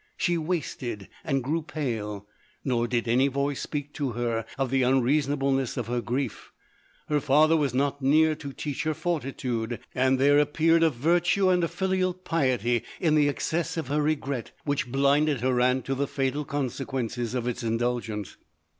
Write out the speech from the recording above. She wasted and grew pale: nor did any voice speak to her of the unreasonableness of her grief; her father was not near to teach her fortitude, and there appeared a virtue and a filial piety in the excess of her regret, which blinded her aunt to the fatal consequences of its indulgence.